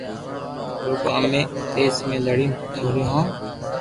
روگو امي ڊپس ۾ لڙين ئوري ھون